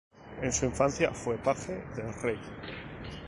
En su infancia fue paje del rey.